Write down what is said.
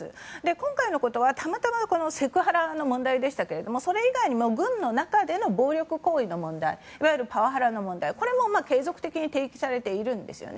今回のことはたまたまセクハラの問題でしたがそれ以外にも軍の中での暴力行為の問題いわゆるパワハラの問題も提起されているんですね。